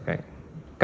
tidak ingat oke